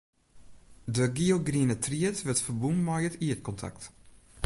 De gielgriene tried wurdt ferbûn mei it ierdkontakt.